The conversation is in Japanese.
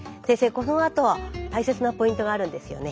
このあと大切なポイントがあるんですよね？